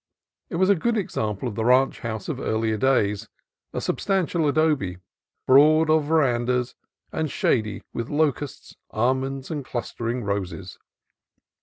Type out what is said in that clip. It was a good example of the ranch house of earlier days, a sub stantial adobe, broad of verandas, and shady with locusts, almonds, and clustering roses.